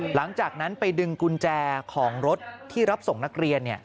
หลังจากนั้นไปดึงกุญแจของรถที่รับส่งนักเรียน